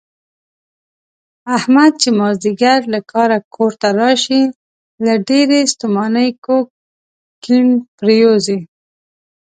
احمد چې مازدیګر له کاره کورته راشي، له ډېرې ستومانۍ کوږ کیڼ پرېوځي.